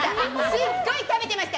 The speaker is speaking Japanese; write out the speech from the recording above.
すっごい食べてました！